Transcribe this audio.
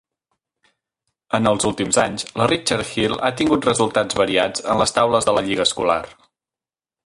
En els últims anys, la Richard Hill ha tingut resultats variats en les taules de la lliga escolar.